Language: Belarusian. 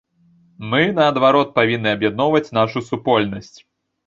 Мы, наадварот, павінны аб'ядноўваць нашу супольнасць.